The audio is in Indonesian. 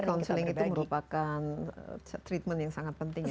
jadi counseling itu merupakan treatment yang sangat penting ya